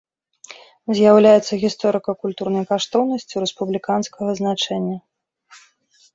З'яўляецца гісторыка-культурнай каштоўнасцю рэспубліканскага значэння.